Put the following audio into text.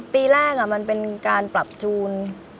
ปีแรกมันเป็นการปรับจูน